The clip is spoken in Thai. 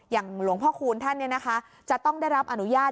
หลวงพ่อคูณท่านจะต้องได้รับอนุญาต